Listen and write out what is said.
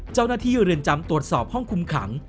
เจ้าหน้าที่เรือนจำตรวจสอบห้องคุมขัง